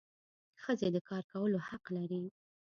ښځي د کار کولو حق لري.